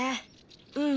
うん。